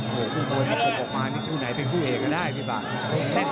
โหกคู่มวยมีโหกออกมามีคู่ไหนเป็นคู่เอกก็ได้พี่บ้าน